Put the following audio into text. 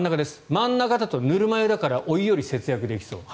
真ん中だと、ぬるま湯だからお湯より節約できそう。